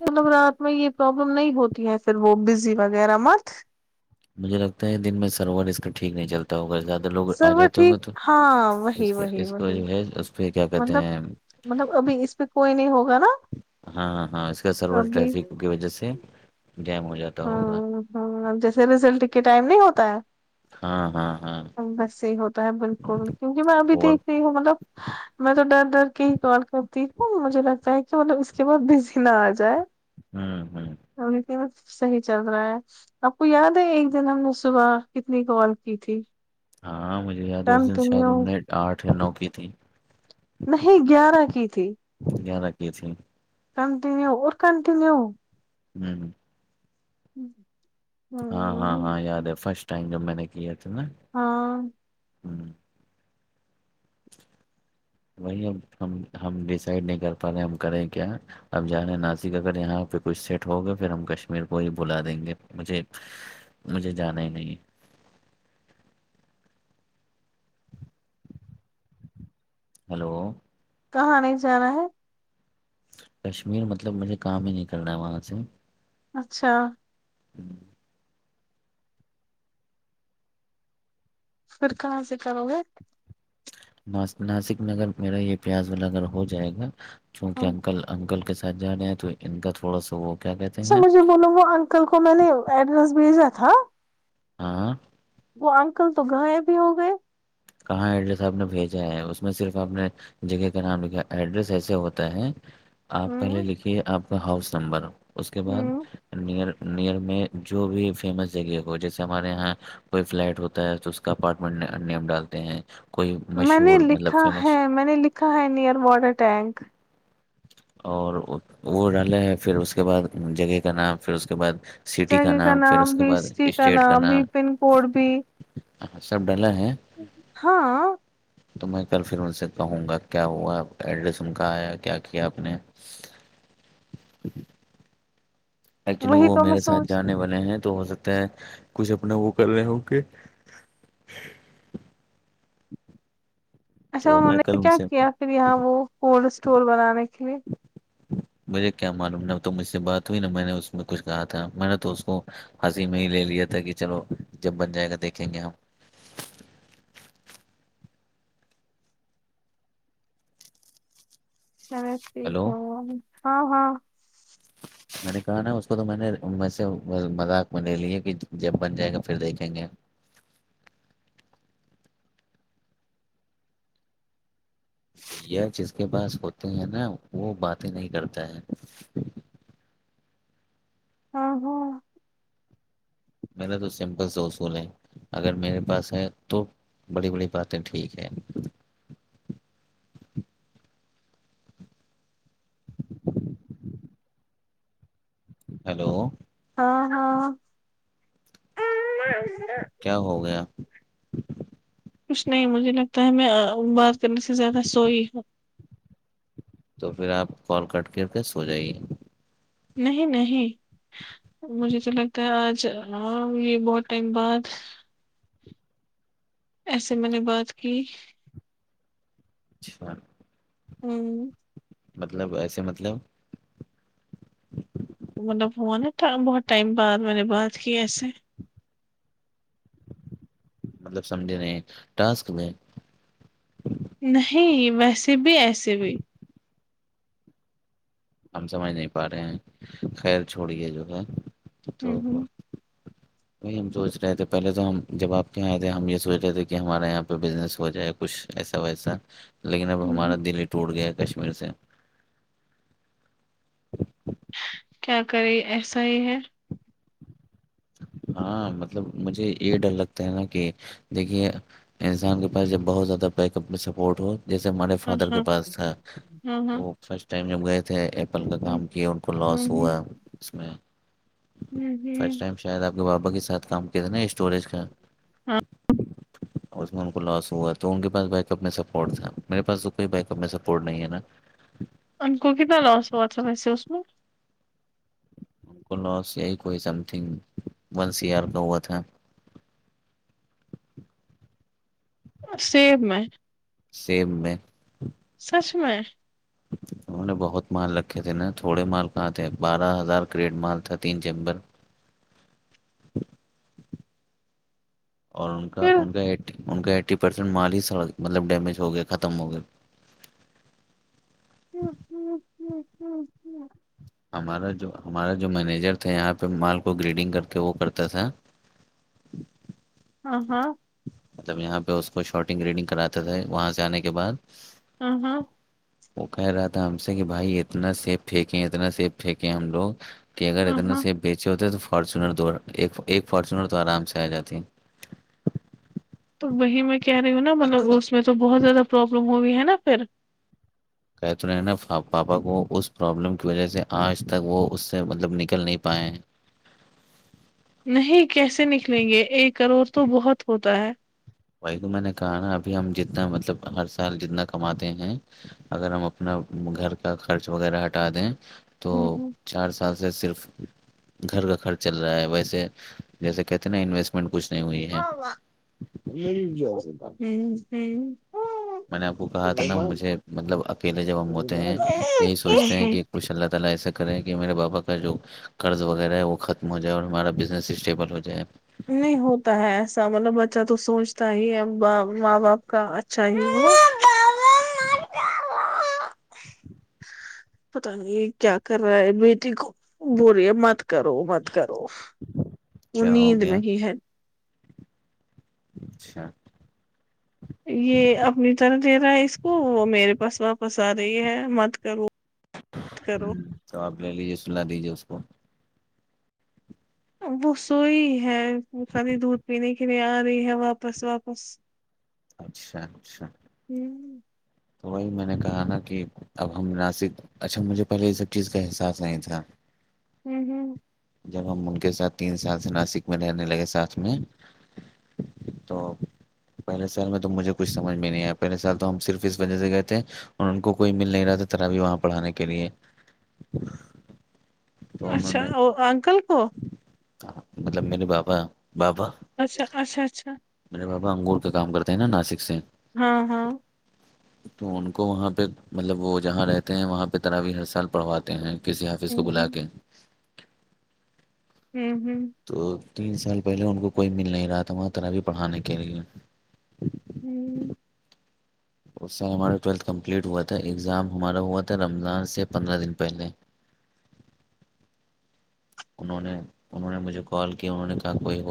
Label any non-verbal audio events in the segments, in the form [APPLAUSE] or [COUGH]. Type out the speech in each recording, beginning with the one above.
ملب رات میں یہ پرابلم نہیں ہوتی ہے پھر وہ بزی وغیرہ مت مجھے لگتا ہے دن میں سرور اس کا ٹھیک نہیں چلتا ہوگ زیادہ لوگ آ سرور جاتے ہوں ٹھیک گے تو ہاں اس وہی وہی اس کو وہی جو ہے اس پہ کیا کہتے مطلب ہیں- مطلب ابھی اس پہ, کوئی نہیں ہوگا نا- ہاں ہاں ہاں اس کا سرور ابھی ٹریفک کی وجہ سے جیم ہو جاتا ہوگا ہ جیسے رزلٹ کے ٹائم نہیں ہوتا ہے ہاں ہاں ہاں بس یہی ہوتا ہے بالکل کیونکہ میں ابھی اور دیکھ رہی ہوں مطلب- میں تو ڈر ڈر کے ہی کار کرتی ہ, مجھے لگتا ہے کہ مطلب اس کے بعد بزی نہ آ جائے- ہوں- ہوں اور کہ م- صحیح چل رہا ہے, آپ کو یاد ہے ایک دن ہم نے صبح کتنی کال کی تھی- ہاں مجھے یاد اس کم دن شاید ان تم نے آٹھ یا نو کی تھی- نہیں, گیارہ کی تھی گیارہ کی تھیں کنٹینیو اور کنٹینیو- ہوں- ہوں ہوں ہاں- ہاں, ہاں یاد ہے- فرسٹ ٹائم جو میں نے کیے تھے نا- ہاں ہوں وہی ہم ہم ہم ڈیسائڈ نہیں کر پا رہے ہم کریں کیا- اب جا رہے ہیں ناسک اگر یہاں پہ کچھ سیٹ ہوگا پھر ہم کشمیر کو ہی بلا دیں گے مجھے- مجھے جانا ہی نہیں- ہیلو- کہاں نہیں جانا ہے- کشمیر مطلب مجھے کام ہی نہیں کرنا ہے وہاں سے- اچھا ہوں خرکان ستاا مگ- ا ناسک نگر میرا یہ پیاز واللا گگر ہو جائے گا چونکہ اچھا انکل- انکل کے ساتھ جانے ہے تو ان کا تھوڑا سا وہ- کیا کہتے اچھا ہیں مجھے بولوں وہ انکل کو میں نے ایڈریس بھیجا تھا- ہاں وہ انکل تو گائےب بھی ہو گئے- کہاں ایڈریس آپ نے بھیجا ہے اس میں صرف آپ نے- جگہ کا نام لکھا ایڈریس ایسے ہوتا ہے- آپ پہلے ہوں لکھیے آپ کا ہاؤس نمبر اس کے بعد ہوں نئر- نئر میں جو بھی فیمس جگہ ہو جیسے ہمارے یہاں- کوئی فلیٹ ہوتا ہے تو اس کا اپارٹمنٹ نیم ڈالتے ہیں- کوئی میں نے مشہور مطلب لکھا فیمس ہے, میں نے لکھا ہے نیئر واٹر ٹینک- اور وہ ڈالے ہیں پھر اس کے بعد جگہ کا نام پھر اس کے بعد- سٹی کا جگہ نام پھر اس کے بھی بعد سٹی اسٹیٹ کا بھی نام- پن کوڈ بھی ہاں سب ڈلا ہے- ہاں تو میں کل پھر انن سے کہوں گا کیا ہوا ایڈریس ان کا آیا کیا- ر کیا آپ نے- ایکچولی وہی وہ تو میں میرے ساتھ سوچ جانے والے ہیں, تو ہو سکتا ہے کچھ اپنا وہ کر رہے ہو کہ- اچھا تو انہوں میں کل نے ان کیا سے کیا پھر یہاں وہ کولڈ اسٹور بنانے کے لیے- مجھے کیا معلوم ہے تو مجھ سے بات ہوئی نا میں نے اس میں کچھ کہا تھا میں نے تو اس کو- ہسی میں ہی لے لیا تھا کہ چلو جب بن جائے گا دیکھیں گے ہم چلے ٹھیک ہے ہلو ہاں ہاں میں نے کہا نا اس کو تو میں نے میں سے مذاق میں لے لی ہے کہ جب بن جائے گا پھر دیکھیں گے جس کے پاس ہوتے ہیں نا وہ بات ہی نہیں کرتا ہے آبو میں نے تو سمپل سے اصولے اگر میرے پاس ہے تو بڑی بڑی باتیں ٹھیک ہیں ہیلو ہاں- ہاں [UNINTELLIGIBLE] کیا ہو گیا? کچھ نہیں, مجھے لگتا ہے میں بات کرنے سے زیادہ سوئی ہوں- تو پھر آپ کال کٹ کر کے سو جائیے- نہیں- نہیں مجھے تو لگتا ہے آج ہ یہ بہت ٹائم بعد ایسے میں نے بات کی اچھا ہوں مطلب ایسے مطلب مطلب فون بہت ٹائم بعد میں نے بات کی ایے مطلب سمجھے نہیں ٹاسک میں نہیں ویسے بھی ایسے بھی ہم سمجھ نہیں پا رہے ہیں خیر چھوڑیے جو ہے ہوں تو ہوں وہی ہم سوچ رہے تھے پہلے تو ہم جب آپ کے یہاںئے تھے ہم یہ سوچ رہے تھے کہ ہمارے یہاں پہ بزنس ہو جائے کچھ ایسا ویسا لیکن اب ہمارا ہوں دللی ٹوٹ گیا کشمیر سے [INAUDIBLE] کیا کرے ایسا ہی ہے ہاں مطلب مجھے یہ ڈر لگتا ہے نا کہ دیکھیے انسان کے پاس جب بہت زیادہ بیک اپ میں سپورٹ ہو جیسے ہمارے ہاں فادر کے ہاں پاس تھا ہاں ہاں وہ فرسٹ ٹائم جب گئے تھے ایپل کا ہوں کام کیا ان کو لاس ہوں ہوا اس میں فرسٹ ہوں ٹائم شاید آپ کے بابا کے ساتھ کام کیا تھے نا اسٹوریج کا ہاں اس میں ان کو لاس ہوا تو ان کے پاس بیک اپ میں سپورٹ تھا میرے پاس تو کوئی بیک اپ میں سپورٹ نہیں ہے نا ان کو کنا لوسو وچاس اس میں لوس یای کوئی سم تھنگ ون سئر کا ہوا تھا سیب میں سیم میں سچ میں اچھ تو [UNINTELLIGIBLE] نے بہت مال رکھے تھے نا تھوڑے مال کہاں تھے بارہ ہزار کریڈٹ مال تھا تین چیمبر اور ان کا پھر ان کا ان کا ایٹی پرسینٹ مال ہی سڑ مطلب ڈیمیج ہو گیا ختم ہو گئے ہ ہ ہ ہ [UNINTELLIGIBLE] ہمارا جو ہمارا جو مینیجر تھے یہاں پہ مال کو گریڈنگ کر کے وہ کرتا تھا ہ ہاں مطلب یہاں پہ اس کو شارٹنگ ریڈنگ کراتے تھے وہاں سے آنے کے بعد ہ ہاں وہ کہہ رہا تھا ہم سے کہ بھائی اتنا سیب پھینکے اتنا سیب پھینکے ہم لوگ کہ اگر ہاں اتنے ہاں سے بیچے ہوتے ہیں تو فارچونر ایک فارچونر تو آرام سے آ جاتے تو وہی میں کہہ رہی ہوں نا مطلب اس میں تو بہت زیادہ پروابلم ہوئی ہے نا پھر کہ تو رہ نا پاپا کو اس پرابلم کی وجہ سے آج تک وہ اس سے مطلب نکل نہیں پائے ہیں نہیں کیسے نکلیں گے ایک کروڑ تو بہت ہوتا ہے وہی تو میں نے کہا نا ابھی ہم جتنا مطلب ہر سال جتنا کماتے ہیں اگر ہم اپنا گھر کا خرچ وغیرہ ہٹا دیں تو ہوں ہوں چار سال سے صرف گھر کا خرچ چل رہا ہے ویسے جیسے کہتے ہیں نا انویسٹمنٹ کچھ نہیں ہوئی ہے م ج [UNINTELLIGIBLE] میں نے آپ کو کہا تھا نا مجھے مطلب اکیلے جب ہم ہوتے ہیں یہی سوچتے ہیں کہ ماشاءاللہ تعالی ایسا کرے کہ میرے بابا کا قرض وغیرہ ہے وہ ختم ہو جائے اور ہمارا بزنس اسٹیبل ہو جائے نہیں ہوتا ہے ایسا مطلب بچہ تو سوچتا ہی ہے ماں باپ کا اچھا ہی ہو پتا نہیں کیا کر رہا ہے بیٹی کو ب رہی ہے مت کرو مت کرو [UNINTELLIGIBLE] کیا ہو نیند گیا میں ہی ہے اچھا یہ اپنی طرح دے رہا ہے اس کو وہ میرے پاس واپس آ رہی ہے مت کروں کرو [UNINTELLIGIBLE] تو آپ لے لیجیے سنا دیجیے اس کو وہ سوئی ہے وہ خالی دودھ پینے کے لیے آ رہی ہے واپس واپس اچھا اچھا ہوں تو وہی میں نے کہا نا کہ اب ہم ناسک اچھا مجھے پہلے یہ سب چیز کا احساس نہیں تھا ہوں ہوں جب ہم ان کے ساتھ تین سال سے ناسک میں رہنے لگے ساتھ میں تو پہلے سال میں تو مجھے کچھ سمجھ میں نہیں آیا پہلے سال تو ہم صرف س بجے سے گئے تھے اور ان کو کوئی مل نہیں رہا تھا ترا بھی وہاں پڑھانے کے لیے [UNINTELLIGIBLE] تو انہوں اچھا نے اور انکل کو مطلب میرے بابا بابا اچھا اچھا اچھا میرے بابا انگور کا کام کرتے ہیں نا ناسک سے ہاں ہاں تو ان کو وہاں پہ مطلب وہ جہاں رہتے ہیں وہاں پہ تراوی ہر سال پڑھواتے ہیں کسی آفس کو ہوں بلا ہوں کے [UNINTELLIGIBLE] ہوں ہوں تو تین سال پہلے ان کو کوئی مل نہیں رہا تھا وہاں ت ابھی پڑھانے کے لیے [UNINTELLIGIBLE] ہی اس سر ہمارا ٹویلتھ کمپلیٹ ہوا تھا ایگزام ہمارا ہوا تھا رمضان سے پندرہ دن پہلے [UNINTELLIGIBLE] انہوں نے انہوں نے مجھے کال کیا انہوں نے کہ کوئی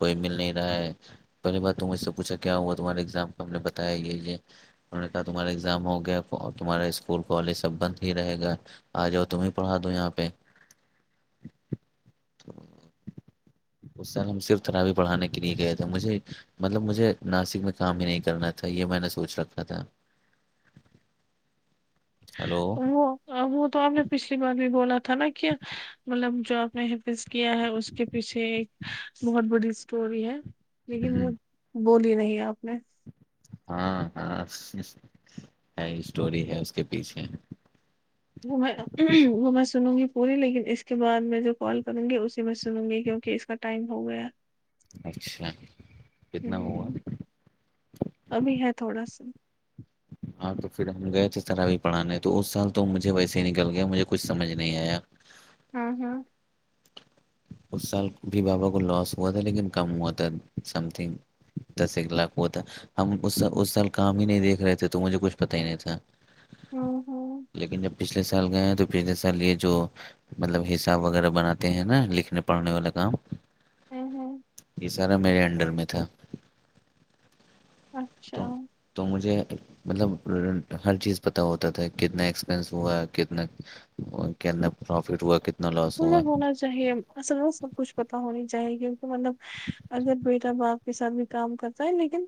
کوئی مل نہیں رہا ہے پہلی بات ت مجھ سے پوچھا کیا ہوا تمہارےگزام کا ہم نے بتایا یہ [UNINTELLIGIBLE] انہوں نے کہا تمہارا ایگزام گیا تمہارا اسکول کالج سب بند ہی رہے گا آ جاؤ تمہیں پڑھا دو یہاں پہ اس سر ہم صرف تروی پڑھانے کے لیے گئے تھے مجھے [UNINTELLIGIBLE] مطلب مجھے ناسک میں کام ہی نہیں کرنا تھا یہ میں نے سوچ رکھا تھا [INAUDIBLE] ہلو وہ وہ تو آپ نے پچھلی بار بھی بولا تھا نا کیا مطلب جو آپ نے کیا ہے اس کے پیچھے ایک بہت بڑی اسٹوری ہے لیکن وہ [UNINTELLIGIBLE] بولی نہیں آپ نے ہاں ہاں ہے اسٹوری ہے اس کے پیچھے [UNINTELLIGIBLE] وہ میں وہ میں سنوں گی پوری لیکن اس کے بعد میں جو کال کروں گی اسی میں سنوں گی کیوںکہ کا ٹائم ہو گیا اچھا کتنا ہوا ہوں ابھی ہے تھوڑا سا ہاں تو پھر ہم گئے تھے سر ابھی پڑھانے تو اس سال تو مجھے ویسے ہی نکل گیا مجھے کچھمجھ نہیں آیا [UNINTELLIGIBLE] ہاں ہاں اس سال بھی بابا کو لاس ہوا تھا لیکن کم ہوا تھا سم تھنگ دس ایک لاکھ ہوا تھا ہم اس اس سال کام ہی نہیں دیکھ رہے تھے تو مجھے کچھ پتا ہی نہیں تھا ہوں ہوں لیکن جب پچھلے سال گئے ہیں تو پچھلے سال یہ جو مطلب حساب وغیرہ بناتے ہیں نا لکھ پڑھنے والا کام [UNINTELLIGIBLE] ہمم ہمم یہ سارا میرے انڈر میں تھا اچھا تو تو مجھے مطلب ہر چیز پتہ ہوتا تھا کتنا ایکسپینس ہوا ہے کتنا وہ کتنا پروفٹ ہوا کتنا لاس ہوا ہنر ہونا چاہیے اصل میں سب کچھ پتاہ ہونی چاہیے کیونکہ مطلب اگر بیٹا باپ کے ساتھ بھی کام کرتا ہے لیکن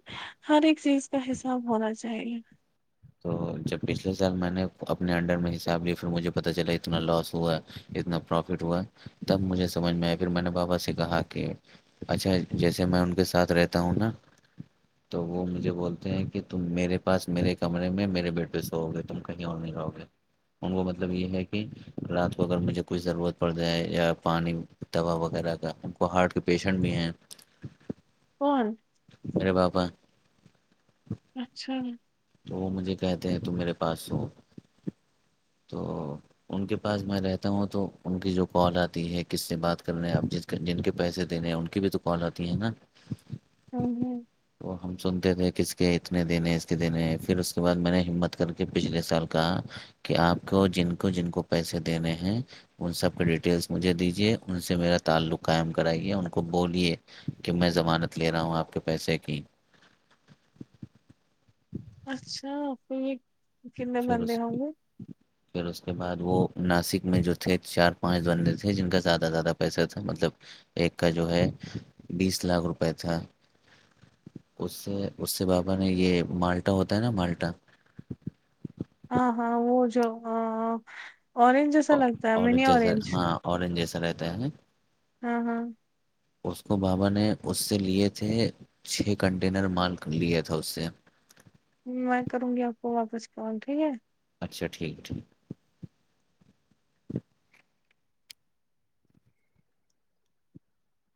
ہر ایک چیز کا حساب ہونا چاہیے تو جب پچھلے سال میں نے اپنے انڈر میں حساب لیا پھر مجھے پتہ چلا اتنا لاس ہوا ہے اتنا پروفٹ ہوا تب مجھے سمجھ میں آیا پھر میں نے بابا سے کہا کہ اچھا جیسے میں ان کے ساتھ رہتا ہوں نا تو وہ مجھے بولتے ہیں کہ تم میرے پاس میرے کمر میں میرے بیڈ پہ سووہ گے تم کہیں اور نہیں رہو گے ان کو مطلب یہ ہے کہ رات کو اگر مجھے کوچھ ضرورت پڑ جائے یا پانی دوا وغیرہ کا وہ ہارٹ کے پیشنٹ بھی ہیں کون ارے باپا اچھا تو وہ مجھے کہتے ہیں تو میرے پاس سوو تو ان کے پاس میں رہتا ہوں تو ان کی جو کال آتی ہے کس سے بات کر رہے آپ جس جن کے پیسے دینے ہیں ان کی بھی تو کال آتی ہیں ہے نا ہمم ہمم وہ ہم سنتے تھے کس کے اتنے دینے ہیں اس کے دینے پھر اس کے بعد میں نے ہمت کر کے پچھلے سال کا کہ آپ کو جن کو جن کو پیسے دینے ہیں ان سب کے ڈیٹیلس مجھے دیجیے ان سے میرا تعلق قائم کرائیے ان کو بولیے کہ میں زمانت لے رہا ہوں آپ کے پیسے کی اچھا آپکے یہ کتنے پھر بندے اس ہوں گے [INAUDIBLE] پھر اس کے بعد وہ ناسک میں جو تھے چار پانچ بندے تھے جن کا زیادہ سے زیادہ پیسہ تھا مطلب ایک کا جو ہے بیس لاکھ روپئے تھا اس سے اس سے بابا نے یہ مالٹا ہوتا ہے نا مالٹا ہاں ہاں وہ جو اورینج جیسا لگتا ہے اورنج منی جیسا اورینج ہاں اورنج جیسا رہتا ہے ہیں ہاں ہاں اس کو بابا نے اس سے لیے تھے چھ کنٹینر مال لیا تھا اس سے میں کروں گی آپ کو واپس کال ٹھیک ہے اچھا ٹھیک ہے ٹھیک